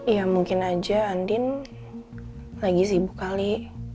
ya mungkin aja andin lagi sibuk kali